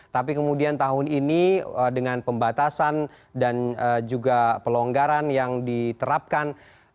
tapi kemudian tahun ini dengan pembatasan dan juga pelonggaran yang diterapkan